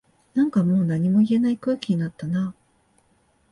なんかもう何も言えない空気になったな